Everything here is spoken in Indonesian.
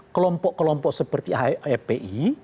kelompok kelompok seperti fpi